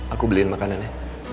aku beliin makanan ya